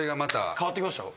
変わってきました？